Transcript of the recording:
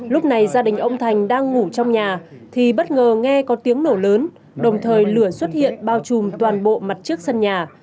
lúc này gia đình ông thành đang ngủ trong nhà thì bất ngờ nghe có tiếng nổ lớn đồng thời lửa xuất hiện bao trùm toàn bộ mặt trước sân nhà